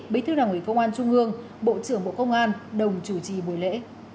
bí thư đảng ủy công an trung ương bộ trưởng bộ công an đồng chủ trì buổi lễ